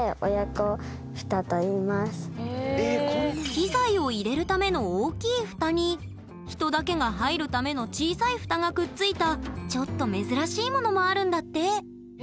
機材を入れるための大きい蓋に人だけが入るための小さい蓋がくっついたちょっと珍しいものもあるんだって。